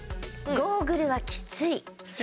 ゴーグルはキツい。